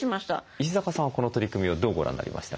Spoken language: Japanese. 石坂さんはこの取り組みをどうご覧になりましたか？